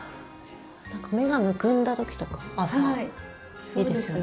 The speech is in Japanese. なんか目がむくんだ時とか朝いいですよね。